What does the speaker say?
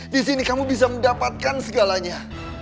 di sini kamu bisa mendapatkan segalanya